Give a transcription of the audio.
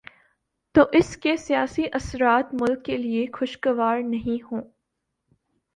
تو اس کے سیاسی اثرات ملک کے لیے خوشگوار نہیں ہوں۔